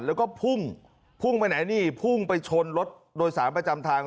แล้วก็พุ่งพุ่งไปไหนนี่พุ่งไปชนรถโดยสารประจำทาง